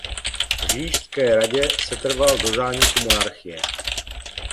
V Říšské radě setrval do zániku monarchie.